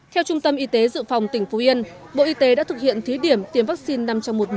theo trung tâm y tế dự phòng tỉnh phú yên bộ y tế đã thực hiện thí điểm tiêm vaccine năm trong một mươi một